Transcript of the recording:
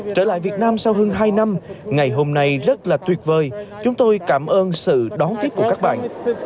trở lại việt nam sau hơn hai năm ngày hôm nay rất là tuyệt vời chúng tôi cảm ơn sự đón tiếp của các bạn